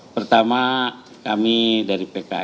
pertama kami dari pks ini berbahagia